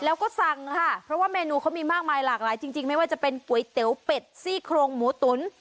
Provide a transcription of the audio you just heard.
แล้วก็สั่งค่ะเพราะว่าเมนูเขามีมากมายหลากหลายจริงไม่ว่าจะเป็นก๋วยเตี๋ยวเป็ดซี่โครงหมูตุ๋น